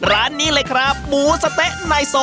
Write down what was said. สดด้วยครับค่ะ